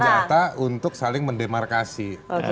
senjata untuk saling mendemarkasi